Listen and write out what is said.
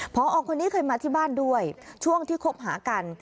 พอคนนี้เคยมาที่บ้านด้วยช่วงที่คบหากัน